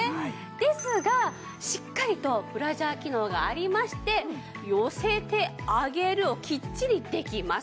ですがしっかりとブラジャー機能がありまして寄せて上げるをきっちりできます。